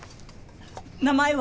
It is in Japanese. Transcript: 名前は？